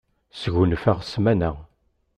Sgunfaɣ ssmana.